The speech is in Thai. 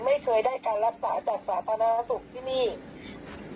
ไม่เคยได้การรักษาจากสาธารณสุขที่นี่